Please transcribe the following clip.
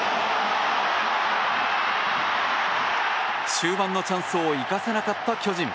終盤のチャンスを生かせなかった巨人。